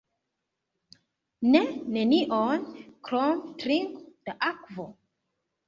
Ne, nenion, krom trinko da akvo.